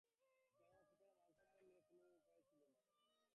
কেননা সেখানে মানসম্মান নিয়ে থাকার কোনো উপায় নেই।